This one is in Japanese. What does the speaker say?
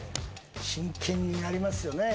真剣になりますよね